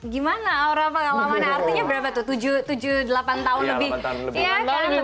gimana aura artinya berapa tuh tujuh delapan tahun lebih tua kan dari usianya aura